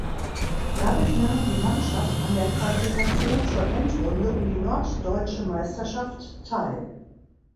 Dadurch nahm die Mannschaft an der Qualifikation zur Endrunde um die norddeutsche Meisterschaft teil.